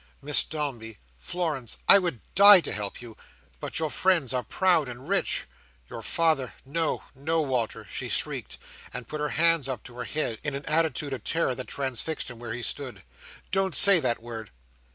"Miss Dombey! Florence! I would die to help you. But your friends are proud and rich. Your father—" "No, no! Walter!" She shrieked, and put her hands up to her head, in an attitude of terror that transfixed him where he stood. "Don't say that word!"